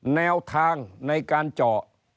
แนวทางในการเจาะ